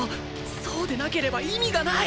そうでなければ意味がない！